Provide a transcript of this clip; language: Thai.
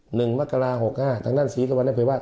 หนึ่งมะกะลาหกห้าทั้งนั้นศรีสุวรรณให้พูดว่า